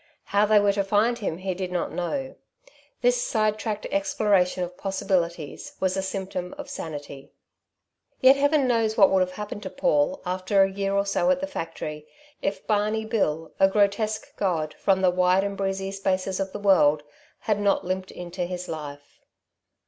How they were to find him he did not know. This side track exploration of possibilities was a symptom of sanity. Yet, Heaven knows what would have happened to Paul, after a year or so at the factory, if Barney Bill, a grotesque god from the wide and breezy spaces of the world, had not limped into his life.